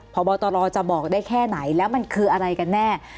พบตรจะบอกได้แค่ไหนแล้วมันคืออะไรกันแน่